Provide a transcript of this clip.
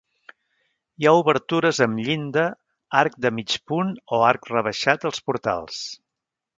Hi ha obertures amb llinda, arc de mig punt o arc rebaixat als portals.